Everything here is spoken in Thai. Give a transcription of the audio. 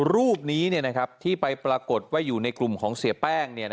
รูปนี้ที่ไปปรากฏว่าอยู่ในกลุ่มของเสียแป้ง